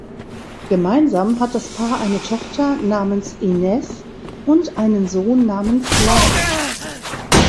Gemeinsam hat das Paar eine Tochter namens Inez und einen Sohn namens Lars.